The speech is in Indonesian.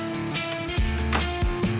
pasti udah tidur